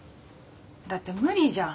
だって無理じゃん。